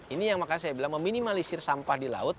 ini yang makanya saya bilang meminimalisir sampah di laut